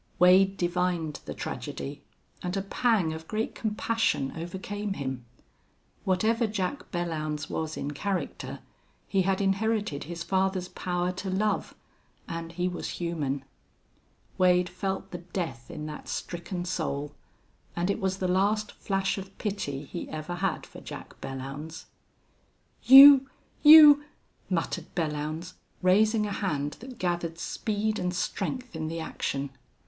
Wade divined the tragedy, and a pang of great compassion overcame him. Whatever Jack Belllounds was in character, he had inherited his father's power to love, and he was human. Wade felt the death in that stricken soul, and it was the last flash of pity he ever had for Jack Belllounds. "You you " muttered Belllounds, raising a hand that gathered speed and strength in the action.